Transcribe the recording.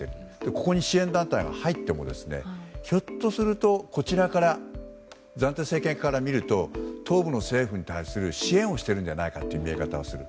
ここに支援団体が入ってもひょっとすると暫定政権側から見ると東部が西部に対して支援をしているんじゃないかという見え方をする。